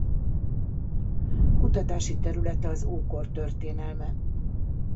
Kutatási területe az ókor történelme.